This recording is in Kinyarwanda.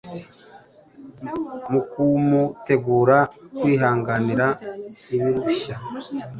mu kumutegura kwihanganira ibirushya.